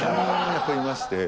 やっぱりいまして。